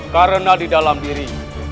karena di dalam diri